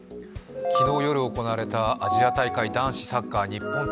昨日夜行われましたアジア大会男子サッカー。